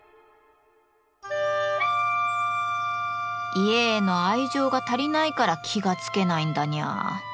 家への愛情が足りないから気が付けないんだニャー。